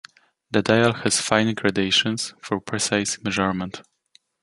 The dial has fine gradations for precise measurement.